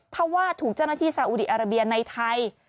ถ้าว่าถูกเจ้าหน้าที่สาอุดีอาราเบียในไทย